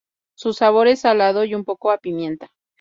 Su sabor es salado y un poco a pimienta.